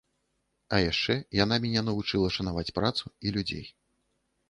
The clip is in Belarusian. А яшчэ яна мяне навучыла шанаваць працу і людзей.